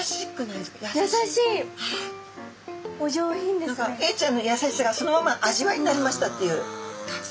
何かエイちゃんのやさしさがそのまま味わいになりましたっていう感じですね。